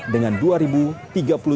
dengan dua tiga puluh tujuh orang